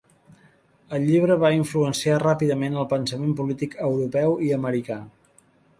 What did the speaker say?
El llibre va influenciar ràpidament el pensament polític europeu i americà.